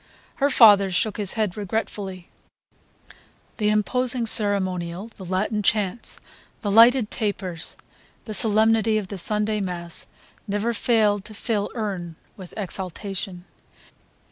Her father shook his head regretfully. The imposing ceremonial, the Latin chants, the lighted tapers, the solemnity of the Sunday mass never failed to fill him with exaltation.